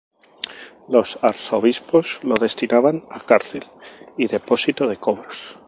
Los arzobispos lo destinaban a cárcel y depósito de cobros.